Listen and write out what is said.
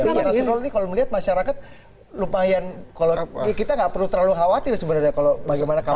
kenapa disenrol nih kalau melihat masyarakat lumayan kita enggak perlu terlalu khawatir sebenarnya kalau bagaimana kampanye hitam